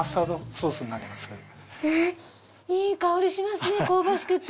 いい香りしますね香ばしくて。